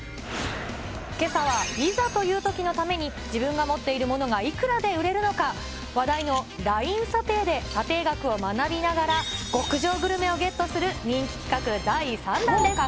けさは、いざというときのために、自分が持っているものがいくらで売れるのか、話題のＬＩＮＥ査定で査定額を学びながら、極上グルメをゲットする人気企画第３弾です。